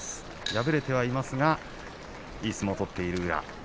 敗れてはいますがいい相撲を取っている宇良。